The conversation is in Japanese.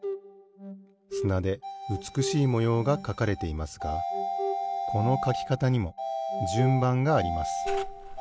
すなでうつくしいもようがかかれていますがこのかきかたにもじゅんばんがあります。